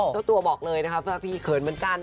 เจ้าตัวบอกเลยนะคะว่าพี่เขินเหมือนกัน